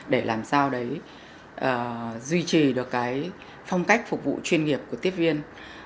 để làm sao đấy duy trì được cái phong cách phục vụ chuyên nghiệp của tiếp viên